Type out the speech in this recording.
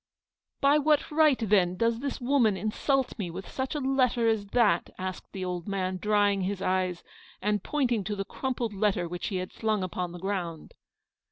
" By what right, then, does this woman insult me with such a letter as that?" asked the old man, drying his eyes, and pointing to the crumpled letter which he had flung upon the ground.